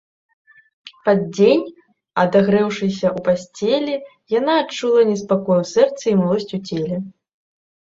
Пад дзень, адагрэўшыся ў пасцелі, яна адчула неспакой у сэрцы і млосць у целе.